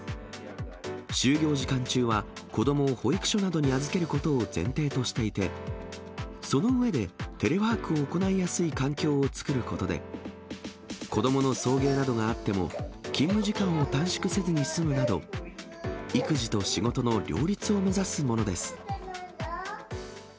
就業時間中は子どもを保育所などに預けることを前提としていて、その上でテレワークを行いやすい環境を作ることで、子どもの送迎などがあっても、勤務時間を短縮せずに済むなど、育児と仕事の両立を目指すものです。